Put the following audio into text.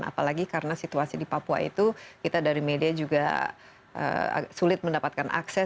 apalagi karena situasi di papua itu kita dari media juga sulit mendapatkan akses